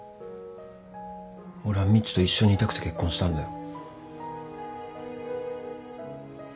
俺はみちと一緒にいたくて結婚したんだよ。